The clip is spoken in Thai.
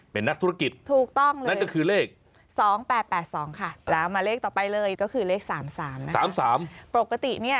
เป็นนักธุรกิจนั่นก็คือเลข